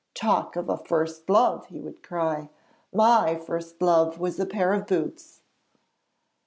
"Talk of a first love!" he would cry; "my first love was a pair of boots."'